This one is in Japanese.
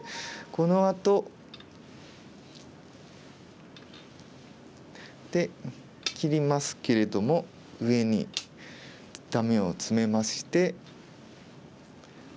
このあと。で切りますけれども上にダメをツメまして。